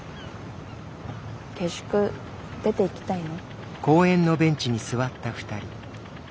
下宿出ていきたいの？